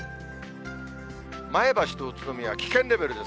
前橋と宇都宮は危険レベルです。